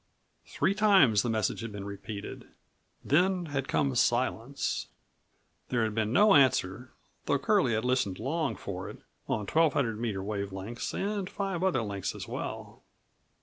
Three times the message had been repeated, then had come silence. There had been no answer though Curlie had listened long for it on 1200 meter wave lengths and five other lengths as well.